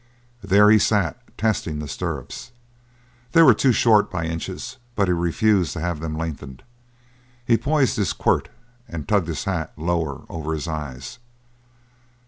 There he sat, testing the stirrups. They were too short by inches but he refused to have them lengthened. He poised his quirt and tugged his hat lower over his eyes.